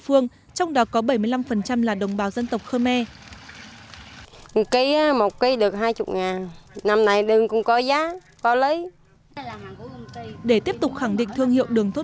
phương trong đó có bảy mươi năm là đồng bào dân tộc khmer để tiếp tục khẳng định thương hiệu đường thốt